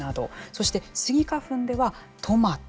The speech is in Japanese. そしてスギ花粉では、トマト。